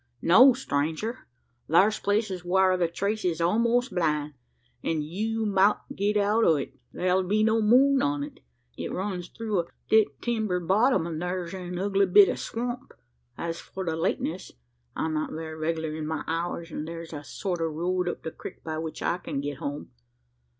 "No, stranger! Thar's places whar the trace is a'most blind, and you mout get out o' it. Thar'll be no moon on it. It runs through a thick timbered bottom, an' thar's an ugly bit o' swamp. As for the lateness, I'm not very reg'lar in my hours; an' thar's a sort o' road up the crik by which I can get home.